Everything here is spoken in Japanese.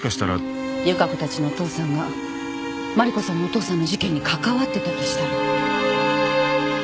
由加子たちのお父さんが麻里子さんのお父さんの事件に関わってたとしたら。